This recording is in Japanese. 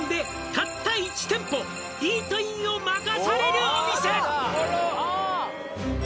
「たった１店舗イートインを任されるお店」